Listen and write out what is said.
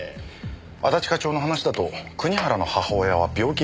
安達課長の話だと国原の母親は病気がちでした。